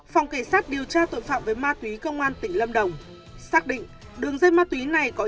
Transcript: phòng cảnh sát điều tra tội phạm về ma túy công an tỉnh lâm đồng xác định đường dây ma túy này có